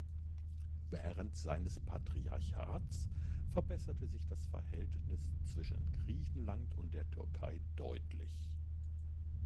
Während seines Patriarchats verbesserte sich das Verhältnis zwischen Griechenland und der Türkei deutlich.